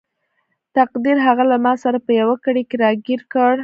تقدیر هغه له ماسره په یوه کړۍ کې راګیر کړ.